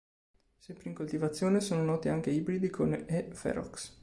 Sempre in coltivazione sono noti anche ibridi con "E. ferox".